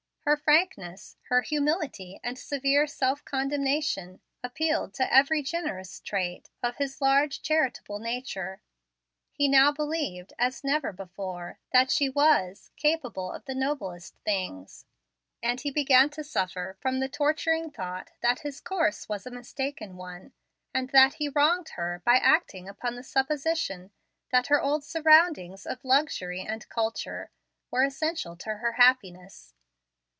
Her frankness, her humility and severe self condemnation, appealed to every generous trait of his large, charitable nature. He now believed, as never before, that she was "capable of the noblest things," and he began to suffer from the torturing thought that his course was a mistaken one, and that he wronged her by acting upon the supposition that her old surroundings of luxury and culture were essential to her happiness.